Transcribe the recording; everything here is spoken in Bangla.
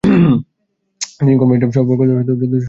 তিনি কর্মনিষ্ঠা, কর্তব্য পরায়ন ও সততার গুন পেয়েছিলেন।